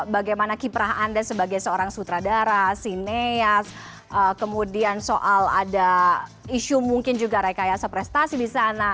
bagaimana kiprah anda sebagai seorang sutradara sineas kemudian soal ada isu mungkin juga rekayasa prestasi di sana